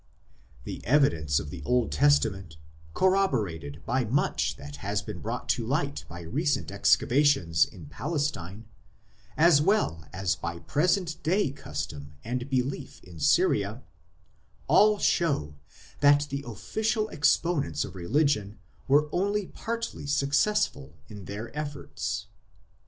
The evidence of the Old Testament, corroborated by much that has been brought to light by recent excavations in Palestine, as well as by present day custom and belief in Syria, all show that the official exponents of religion were only partly successful in their efforts.